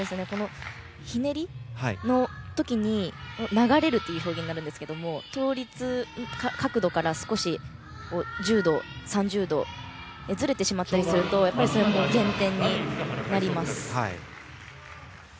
ひねりの時に流れるという表現ですが倒立角度から少し１０度、３０度ずれてしまったりするとやっぱりそれも減点になります。